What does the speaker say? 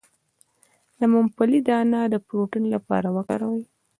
د ممپلی دانه د پروتین لپاره وکاروئ